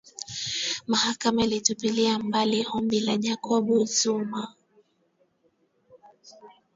mahakama ilitupilia mbali ombi la jacob zuma